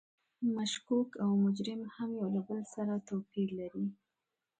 مشکوک او مجرم هم یو له بل سره توپیر لري.